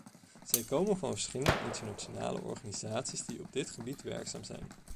Zij komen van verschillende internationale organisaties die op dit gebied werkzaam zijn.